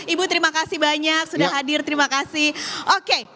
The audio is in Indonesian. ibu terima kasih banyak sudah hadir terima kasih oke